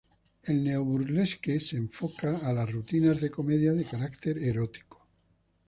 El neo-burlesque se enfoca a las rutinas de comedia de carácter erótico.